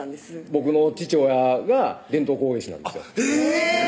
僕の父親が伝統工芸士なんですよへぇ！